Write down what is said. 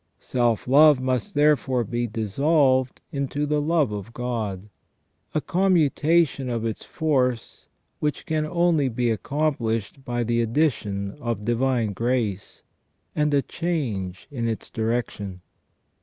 Self love must therefore be dissolved into the love of God, a commutation of its force which can only be accomplished by the addition of divine grace, and a change in its direction.